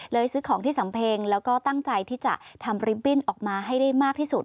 ซื้อของที่สำเพ็งแล้วก็ตั้งใจที่จะทำริบบิ้นออกมาให้ได้มากที่สุด